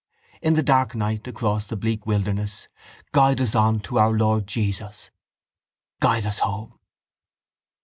In the dark night, across the bleak wilderness guide us on to our Lord Jesus, guide us home.